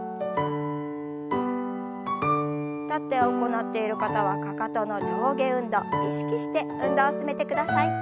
立って行っている方はかかとの上下運動意識して運動を進めてください。